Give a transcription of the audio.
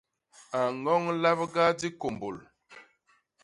A ñoñ labga dikômbôl.